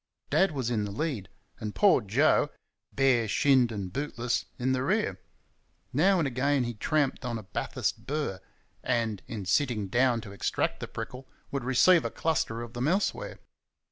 Dad was in the lead, and poor Joe, bare shinned and bootless, in the rear. Now and again he tramped on a Bathurst burr, and, in sitting down to extract the prickle, would receive a cluster of them elsewhere.